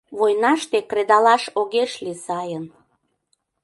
Войнаште кредалаш огеш лий сайын...